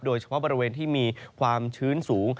โดยเฉพาะบริเวณที่มีความชื้นสูง